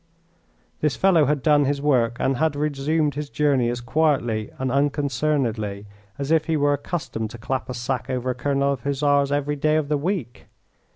This fellow had done his work and had resumed his journey as quietly and unconcernedly as if he were accustomed to clap a sack over a colonel of Hussars every day of the week.